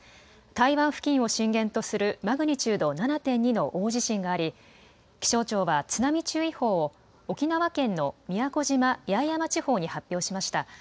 台湾付近を震源とするマグニチュード７．２の大地震があり、気象庁は津波注意報を沖縄県の宮古島・八重山地方に発表しました。